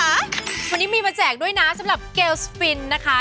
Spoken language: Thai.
วันนี้มีมาแจกด้วยนะสำหรับเกลสปินนะคะ